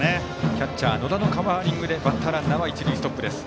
キャッチャー野田のカバーリングでバッターランナーは一塁ストップです。